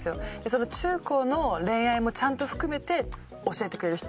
その中高の恋愛もちゃんと含めて教えてくれる人。